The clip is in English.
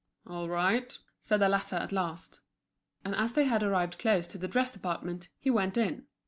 "All right," said the latter at last. And as they had arrived close to the dress department, he went in.